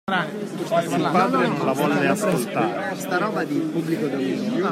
Il padre non la volle ascoltare.